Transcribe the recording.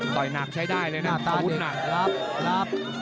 ต่อยหนักใช้ได้เลยหน้าตาเด็กรับรับ